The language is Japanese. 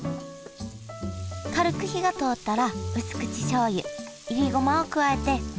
軽く火が通ったら薄口しょうゆいりごまを加えてまた炒めます。